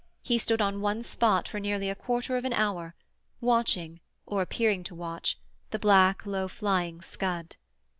He stood on one spot for nearly a quarter of an hour, watching, or appearing to watch, the black, low flying scud.